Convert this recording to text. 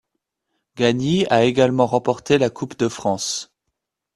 Gagny a également remporté la Coupe de France.